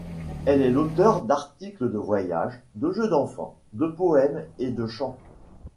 Elle est l'auteur d'articles de voyage, de jeux d'enfants, de poèmes et de chants.